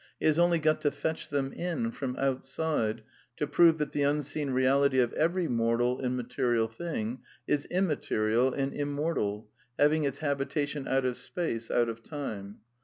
He has only got to fetch them "in" from " outside " to prove that the unseen reality of every mortal and material thing is immaterial and immortal^ having its habitation out of space, out of time.